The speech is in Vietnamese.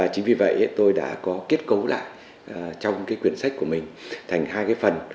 chính vì vậy tôi đã có kết cấu lại trong cuốn sách của mình thành hai phần